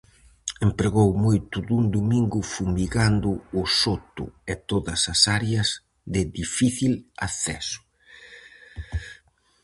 Empregou moito dun domingo fumigando o soto e todas as áreas de difícil acceso.